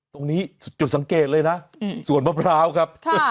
ตรงนี้จุดสังเกตเลยนะสวนมะพร้าวครับ